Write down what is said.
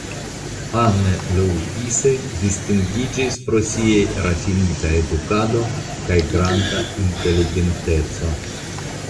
Anne Louise distingiĝis pro siaj rafinita edukado kaj granda inteligenteco.